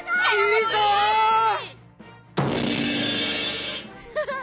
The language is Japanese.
すごい！